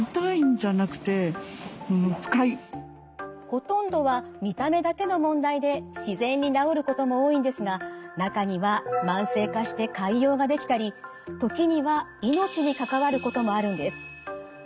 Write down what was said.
ほとんどは見た目だけの問題で自然に治ることも多いんですが中には慢性化して潰瘍が出来たり時には命に関わることもあるんです。